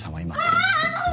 あの。